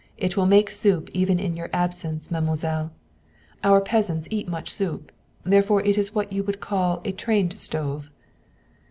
"It will make soup even in your absence, mademoiselle! Our peasants eat much soup; therefore it is what you would call a trained stove."